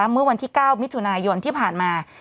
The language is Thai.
เมื่อวันที่๙มิถุนายนที่ผ่านมา